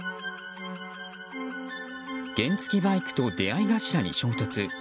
原付きバイクと出合い頭に衝突。